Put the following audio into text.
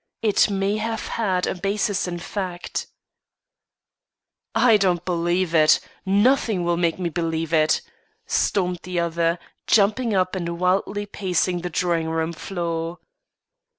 It may have had a basis in fact." "I don't believe it. Nothing will make me believe it," stormed the other, jumping up, and wildly pacing the drawing room floor.